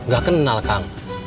gak kenal kang